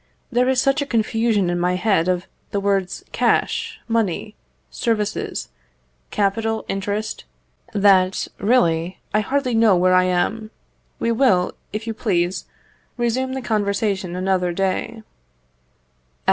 There is such a confusion in my head of the words cash, money, services, capital, interest, that, really, I hardly know where I am. We will, if you please, resume the conversation another day.